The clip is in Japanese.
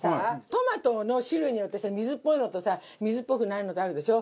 トマトの種類によってさ水っぽいのとさ水っぽくないのとあるでしょ。